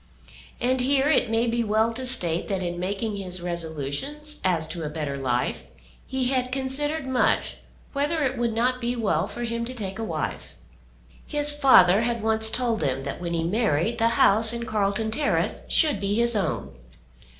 And here it may be well to state that in making his resolutions as to a better life, he had considered much whether it would not be well for him to take a wife. His father had once told him that when he married, the house in Carlton Terrace should be his own.